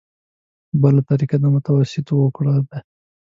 بله طریقه د متوسطو وګړو ده.